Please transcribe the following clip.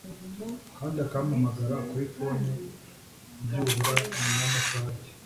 kandi akampamagara kuri phone byubura nyuma yamasaha abiri